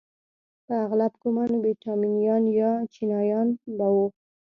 په اغلب ګومان ویتنامیان یا چینایان به وو.